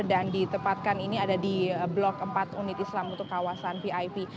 dan ditempatkan ini ada di blok empat unit islam untuk kawasan vip